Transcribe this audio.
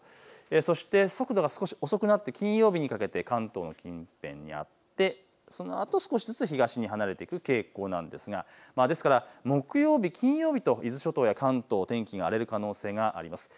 そして速度が少し遅くなって金曜日にかけて関東の近辺にあって、そのあと少しずつ東に離れていく傾向なんですが、ですから木曜日、金曜日と伊豆諸島や関東、天気が荒れる可能性があります。